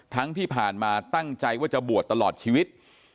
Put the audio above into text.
ที่ผ่านมาตั้งใจว่าจะบวชตลอดชีวิต